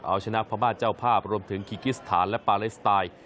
เอาชนะพม่าเจ้าภาพรวมถึงคีกิสถานและปาเลสไตล์